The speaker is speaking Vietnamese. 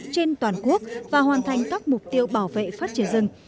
trên toàn quốc và hoàn thành các mục tiêu bảo vệ phát triển rừng